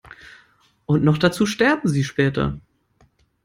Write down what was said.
Und noch dazu sterben sie später.